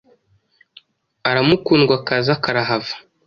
aramukundwakaza karahava,